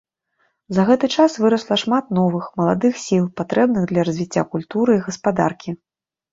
За гэты час вырасла шмат новых, маладых сіл, патрэбных для развіцця культуры і гаспадаркі.